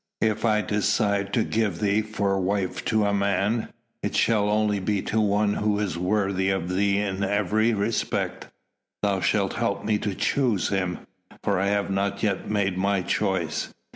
If I decide to give thee for wife to a man, it shall only be to one who is worthy of thee in every respect. Thou shalt help me to choose him ... for I have not yet made my choice